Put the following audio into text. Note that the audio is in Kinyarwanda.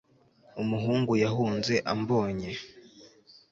Umuhungu yahunze ambonye